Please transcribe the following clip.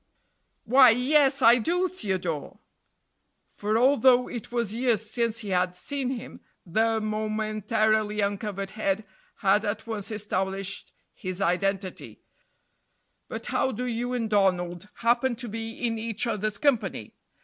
Why, yes I do, Theodore for although it was years since he had seen him, the momentarily uncovered head had at once established his identity; "but how do you and Donald happen to be in each other's company?